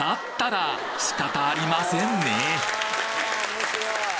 面白い。